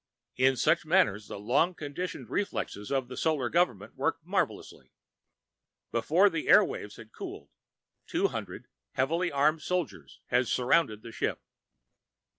In such matters, the long conditioned reflexes of the Solar Government worked marvelously. Before the air waves had cooled, two hundred heavily armed soldiers had surrounded the ship.